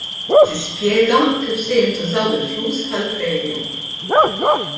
Tispjega kif se jintużaw il-flus tal-premju.